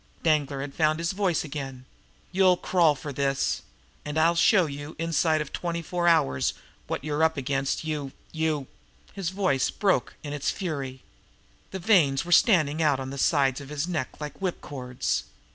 Danglar had found his voice again. "You'll crawl for this! Do you understand? and I'll show you inside of twenty four hours what you're up against, you you " His voice broke in its fury. The veins were standing out on the side of his neck like whipcords.